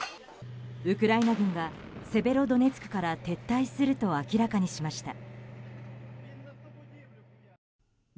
ウクライナ軍がセベロドネツクから撤退すると明らかにしました。